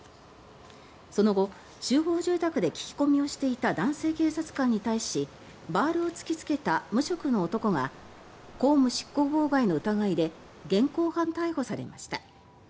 その後集合住宅で聞き込みをしていた男性警察官に対しバールを突きつけた無職の男が公務執行妨害の疑いで現行犯逮捕されました。